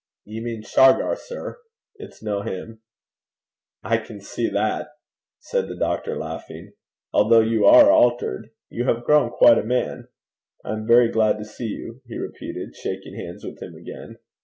'Ye mean Shargar, sir. It's no him.' 'I can see that,' said the doctor, laughing, 'although you are altered. You have grown quite a man! I am very glad to see you,' he repeated, shaking hands with him again.